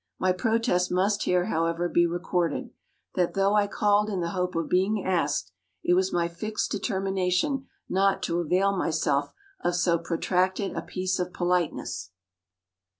My protest must here however be recorded, that though I called in the hope of being asked, it was my fixed determination not to avail myself of so protracted a piece of politeness.